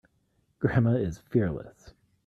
Grandma is fearless.